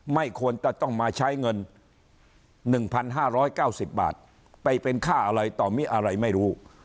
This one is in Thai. ไม่ควรจะต้องมาใช้เงินหนึ่งพันห้าร้อยเก้าสิบบาทไปเป็นค่าอะไรต่อมีอะไรไม่รู้